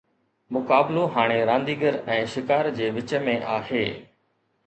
مقابلو هاڻي رانديگر ۽ شڪار جي وچ ۾ آهي.